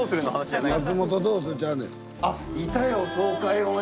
あ、いたよ。